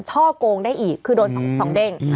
ช่อกงได้อีกคือโดน๒เด้ง